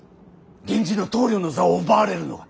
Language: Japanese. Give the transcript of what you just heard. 源氏の棟梁の座を奪われるのが。